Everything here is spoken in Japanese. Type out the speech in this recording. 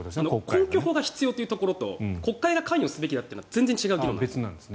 根拠法が必要というところと国会が関与すべきというのは全然違う議論なんです。